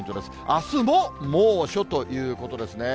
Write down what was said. あすも猛暑ということですね。